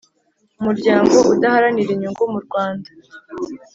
umuryango udaharanira inyungu mu rwanda